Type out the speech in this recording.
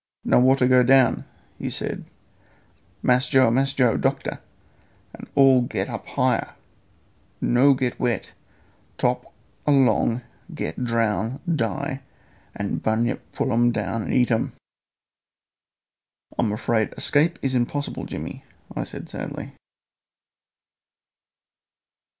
"No water go down," he said. "Mass Joe, Mass Jack, doctor, an all a let get up higher; no get wet. Top along get drown, die, and bunyip pull um down an eat um!" "I'm afraid escape is impossible, Jimmy," I said sadly.